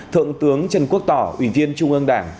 thượng tướng trần quốc tỏ ủy viên trung ương đảng